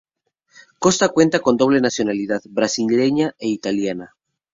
Costa cuenta con doble nacionalidad: brasileña e italiana.